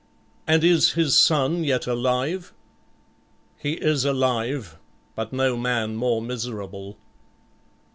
"And is his son yet alive?" "He is alive, but no man more miserable."